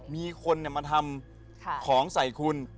มีคนมาทำของใส่คุณ